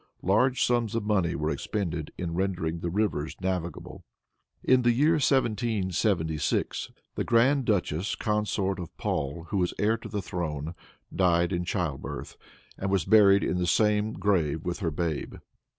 Large sums of money were expended in rendering the rivers navigable. In the year 1776, the grand duchess, consort of Paul, who was heir to the throne, died in childbirth, and was buried in the same grave with her babe.